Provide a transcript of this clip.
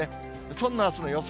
そんなあすの予想